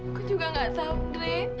aku juga nggak tahu dre